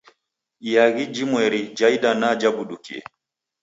Iaghi jimweri ja idanaa jabudukie.